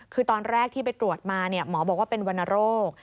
คือตอนแรกที่ไปตรวจมาหมอบอกว่าเป็นวรรณโรค